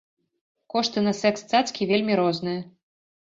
Кошты на секс-цацкі вельмі розныя.